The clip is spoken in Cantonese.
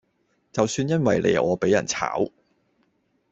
就算因為你我比人炒